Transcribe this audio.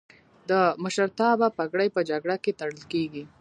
د مشرتابه پګړۍ په جرګه کې تړل کیږي.